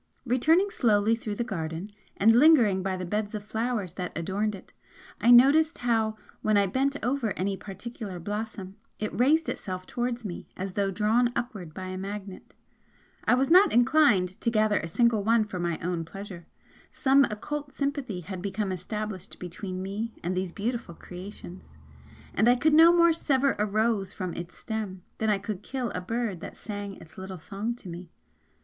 Returning slowly through the garden, and lingering by the beds of flowers that adorned it, I noticed how when I bent over any particular blossom, it raised itself towards me as though drawn upward by a magnet. I was not inclined to gather a single one for my own pleasure some occult sympathy had become established between me and these beautiful creations and I could no more sever a rose from its stem than I could kill a bird that sang its little song to me.